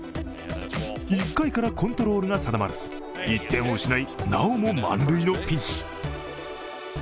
１回からコントロールが定まらず１点を失い、なおも満塁のピンチ。